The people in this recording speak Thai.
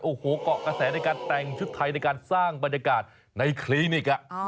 โอ้โหเกาะกระแสในการแต่งชุดไทยในการสร้างบรรยากาศในคลินิก